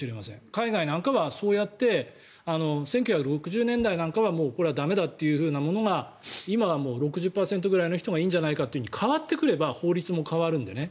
海外なんかはそうやって１９６０年代なんかはこれは駄目だっていうものが今は６０％ぐらいの人がいいんじゃないかと変わってくれば法律も変わるんでね。